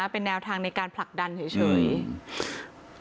เป็นแนวทางในการผลักดันเฉย